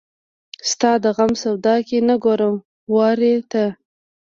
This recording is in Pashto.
ستا د غم سودا کې نه ګورم وارې ته